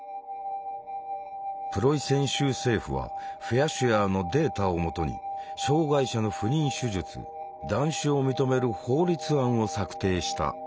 プロイセン州政府はフェアシュアーのデータを基に障害者の不妊手術断種を認める法律案を策定した。